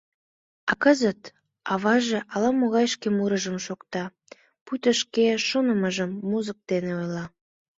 А кызыт аваже ала-могай шке мурыжым шокта, пуйто шке шонымыжым музык дене ойла.